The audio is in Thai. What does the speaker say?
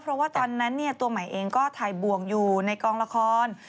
เพราะว่าตอนนั้นตัวใหม่เองก็ถ่ายบ่วงอยู่ในกองละคร